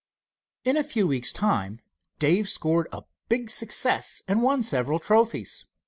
In a few weeks time Dave scored a big success and won several trophies.